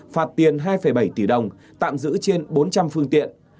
phạt tiền hai bảy tỷ đồng tạm giữ trên bốn trăm linh phương tiện